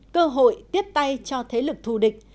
cơ hội tiếp tay cho thế lực thù địch